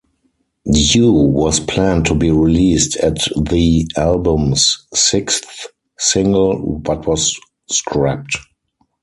"U" was planned to be released at the album's sixth single but was scrapped.